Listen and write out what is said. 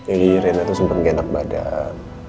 ini rina tuh sempet genak badan